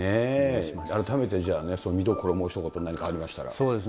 改めてその見どころも、ひと言、何かありましたら。